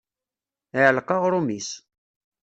Iɛelleq uɣrum-is.